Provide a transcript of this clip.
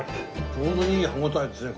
ちょうどいい歯応えですね